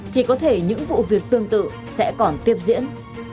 thì có thể những vụ việc tương tự sẽ còn tiếp diễn